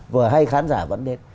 vở hay khán giả vẫn đến